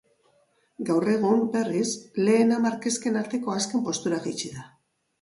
Gaur egun, berriz, lehen hamar kezken arteko azken postura jaitsi da.